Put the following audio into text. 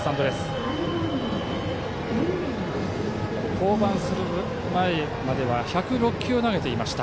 降板する前までは１０６球を投げていました。